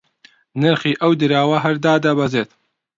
نرخی ئەو دراوە هەر دادەبەزێت